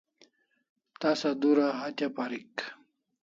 Tasa dura hatya parik